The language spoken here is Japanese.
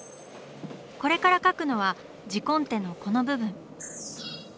これから描くのは字コンテのこの部分。